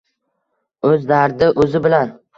O‘z dardi o‘zi bilan.